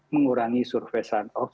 mengurangi surface sun off